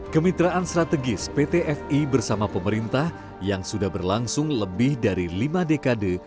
kemitraan strategis pt fi bersama pemerintah yang sudah berlangsung lebih dari lima dekade